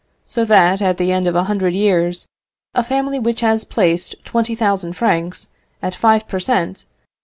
So that, at the end of a hundred years, a family which has placed 20,000 francs, at five per cent.